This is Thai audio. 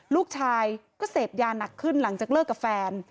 ลูกชายก็เสพยาหนักขึ้นหลังจากเลิกกับแฟน